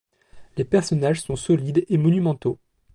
Les personnages sont solides et monumentaux.